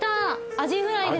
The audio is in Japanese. アジフライです。